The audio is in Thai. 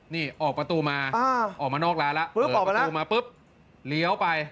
นี่ออกประตูมาออกมานอกร้านแล้วเปิดประตูมาปุ๊บเลี้ยวไป